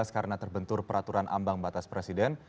karena terbentur peraturan ambang batas presiden